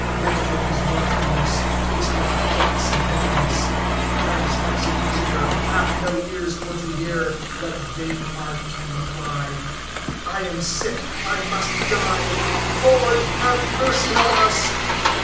Wit with his wantonness Tasteth death's bitterness; 30 Hell's executioner Hath no ears for to hear What vain art can reply; I am sick, I must die— Lord, have mercy on us!